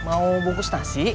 mau bungkus nasi